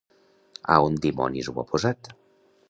A on dimonis ho ha posat?